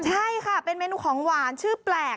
ใช่ค่ะเป็นเมนูของหวานชื่อแปลก